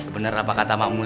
terserah buat tangan adun